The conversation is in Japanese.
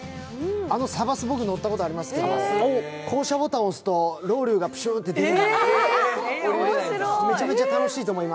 あのサバス、僕、乗ったことがありますけど降車ボタンを押すとロウリュがプシュっと出る。